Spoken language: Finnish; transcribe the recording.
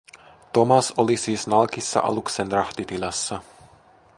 Thomas oli siis nalkissa aluksen rahtitilassa.